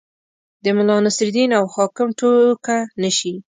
د ملا نصرالدین او حاکم ټوکه نه شي.